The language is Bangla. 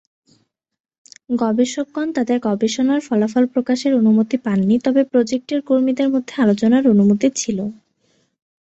গবেষকগণ তাঁদের গবেষণার ফলাফল প্রকাশের অনুমতি পান নি তবে প্রজেক্টের কর্মীদের মধ্যে আলোচনার অনুমতি ছিল।